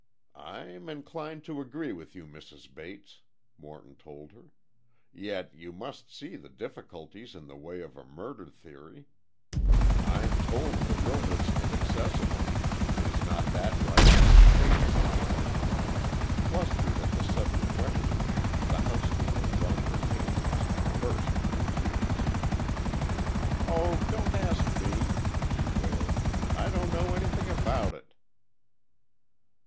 "I'm inclined to agree with you, Mrs. Bates," Morton told her, "yet you must see the difficulties in the way of a murder theory. I'm told the room was inaccessible. Is not that right, Mrs. Peyton?" Flustered at the sudden question the housekeeper wrung her hands and burst into tears. "Oh, don't ask me," she wailed, "I don't know anything about it!"